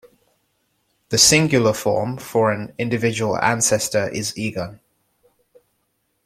The singular form, for an individual ancestor, is Egun.